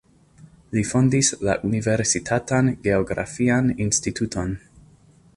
Li fondis la universitatan geografian instituton.